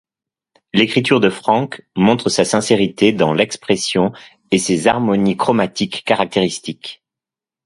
L'écriture de Franck montre sa sincérité dans l'expression et ses harmonies chromatiques caractéristiques.